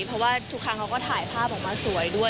เพราะว่าทุกครั้งเขาก็ถ่ายภาพออกมาสวยด้วย